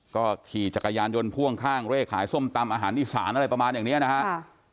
ก็ขี่จักรยานยนต์พ่วงข้างเลขขายส้มตำอาหารอีสานอะไรประมาณอย่างนี้นะครับ